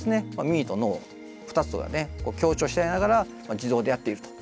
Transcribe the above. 耳と脳２つがね協調し合いながら自動でやっていると。